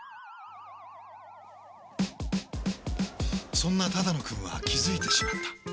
そんな只野くんは気付いてしまった。